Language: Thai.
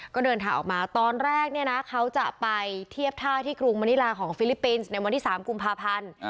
ก็เดินทางออกมาตอนแรกเนี่ยนะเขาจะไปเทียบท่าที่กรุงมณิลาของฟิลิปปินส์ในวันที่๓กุมภาพันธ์